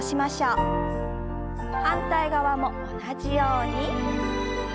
反対側も同じように。